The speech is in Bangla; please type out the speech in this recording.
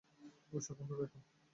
অবশ্যই ভালো বেতন।